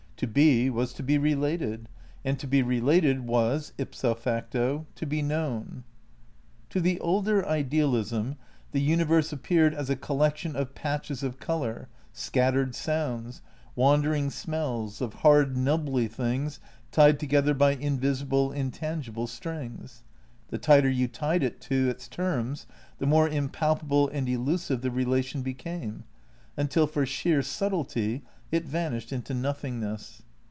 To be was to be related, and to be related was, ipso facto, to be known. To the older idealism, the universe appeared as a collection of patches of colour, scattered sounds, wan dering smells, of hard nubbly things tied together by invisible, intangible strings. The tighter you tied it to its terms the more impalpable and elusive the relation became, until for sheer subtlety it vanished into nothingness.